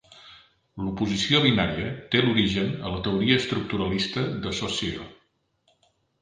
L'oposició binària té l'origen a la teoria estructuralista de Saussure.